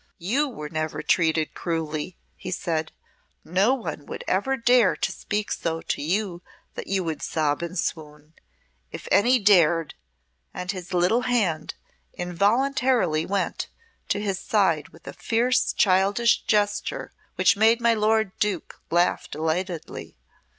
"You were never treated cruelly," he said. "No one would ever dare to speak so to you that you would sob and swoon. If any dared!" and his little hand involuntarily went to his side with a fierce childish gesture which made my lord Duke laugh delightedly.